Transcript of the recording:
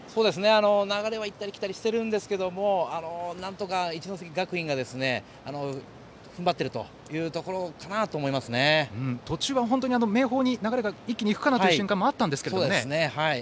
流れは行ったり来たりしていますがなんとか一関学院が踏ん張っているところかなと途中は明豊に流れが一気にいくかなという瞬間もあったんですけどね。